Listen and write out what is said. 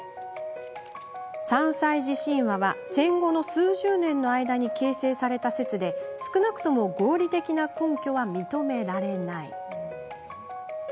「３歳児神話は、戦後の数十年の間に形成された説で少なくとも合理的な根拠は認められない。」